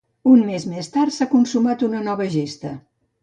Un mes més tard s'ha consumat una nova gesta.